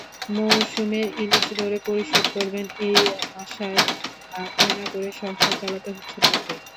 মৌসুমে ইলিশ ধরে পরিশোধ করবেন—এই আশায় ধার-দেনা করে সংসার চালাতে হচ্ছে তাঁকে।